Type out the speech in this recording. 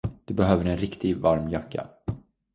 Du behöver en riktigt varm jacka.